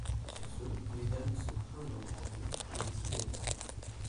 Sur ce, les dames se prindrent à rire et aussy le Roy.